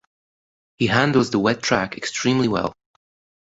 He handles the wet track extremely well.